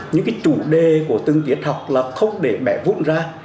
những chủ đề của từng tiết học là không để bẻ vụn ra